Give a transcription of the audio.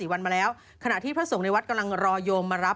วันมาแล้วขณะที่พระสงฆ์ในวัดกำลังรอโยมมารับ